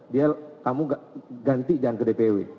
dia kamu ganti jangan ke dpw